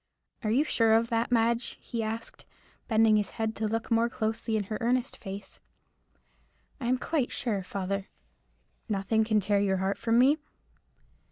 "Are you sure of that, Madge?" he asked, bending his head to look more closely in her earnest face. "I am quite sure, father." "Nothing can tear your heart from me?"